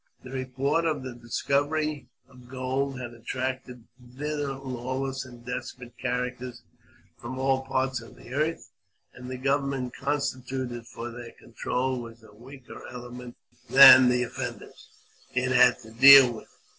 The report of the discovery of gold had attracted thither lawless and desperate characters from all parts of the earth, and the government constituted for their control was a weaker element than the offenders it had to deal with.